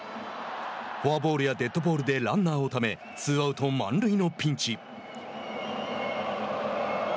フォアボールやデッドボールでランナーをため、ツーアウト、満塁のピンチ。